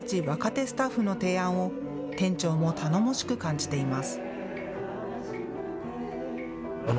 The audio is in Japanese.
高橋さんたち若手スタッフの提案を店長も頼もしく感じています。